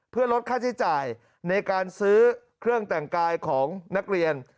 เพื่อลดค่าใช้จ่ายในการซื้อเครื่องแต่งกายของนักเรียน